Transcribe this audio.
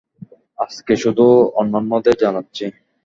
আজকে শুধু অন্যান্যদের জানাচ্ছি।